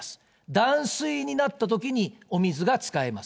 断水になったときにお水が使えます。